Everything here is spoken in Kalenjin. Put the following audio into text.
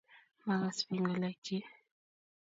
maakas bik ngalekchik